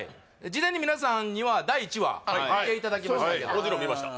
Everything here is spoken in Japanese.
事前に皆さんには第１話見ていただきました